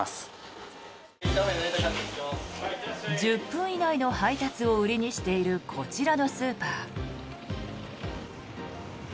１０分以内の配達を売りにしているこちらのスーパー。